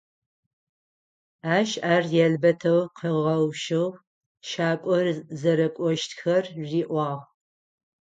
Ащ ар елбэтэу къыгъэущыгъ, шакӏо зэрэкӏощтхэр риӏуагъ.